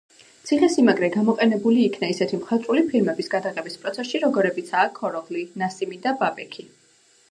ციხე-სიმაგრე გამოყენებული იქნა ისეთი მხატვრული ფილმების გადაღების პროცესში, როგორებიცაა: „ქოროღლი“, „ნასიმი“ და „ბაბექი“.